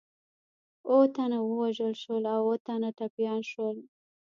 اووه تنه ووژل شول او اووه تنه ټپیان شول.